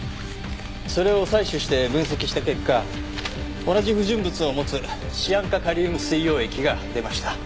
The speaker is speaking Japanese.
それを採取して分析した結果同じ不純物を持つシアン化カリウム水溶液が出ました。